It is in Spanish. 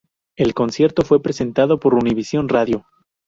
El concierto fue presentado por Univision Radio.